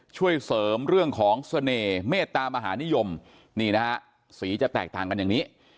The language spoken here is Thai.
ช่วยเสริมเรื่องของเสน่ห์เมตตามหานิยมนี่นะฮะสีจะแตกต่างกันอย่างนี้